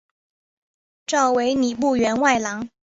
召为礼部员外郎。